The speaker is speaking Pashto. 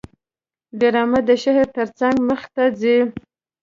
ډرامه د شعر ترڅنګ مخته ځي